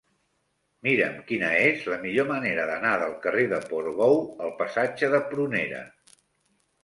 Mira'm quina és la millor manera d'anar del carrer de Portbou al passatge de Prunera.